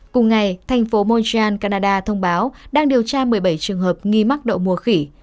cùng ngày thành phố monjan canada thông báo đang điều tra một mươi bảy trường hợp nghi mắc đậu mùa khỉ